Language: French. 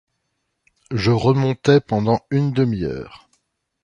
Je remontai pendant une demi-heure.